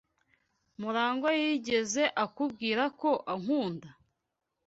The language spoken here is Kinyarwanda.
Murangwa yigeze akubwira ko agukunda?